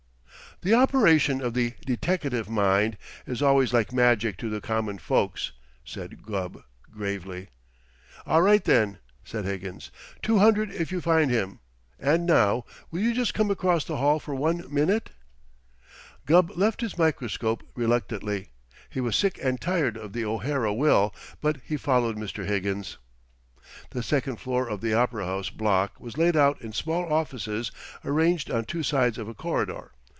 "The operation of the deteckative mind is always like magic to the common folks," said Gubb gravely. "All right, then," said Higgins. "Two hundred if you find him. And now, will you just come across the hall for one minute?" Gubb left his microscope reluctantly. He was sick and tired of the O'Hara will, but he followed Mr. Higgins. The second floor of the Opera House Block was laid out in small offices arranged on two sides of a corridor.